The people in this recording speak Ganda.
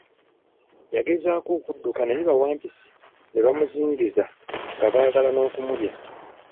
Yagezaako okudduka naye bawampisi ne bamuzingiza nga baagala n'okumulya.